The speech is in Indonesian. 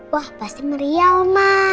wah pasti meriah oma